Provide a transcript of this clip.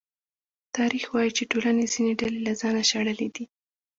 تاریخ وايي چې ټولنې ځینې ډلې له ځانه شړلې دي.